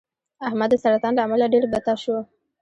احمد د سرطان له امله ډېر بته شو.